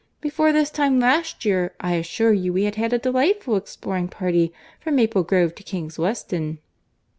Before this time last year I assure you we had had a delightful exploring party from Maple Grove to Kings Weston."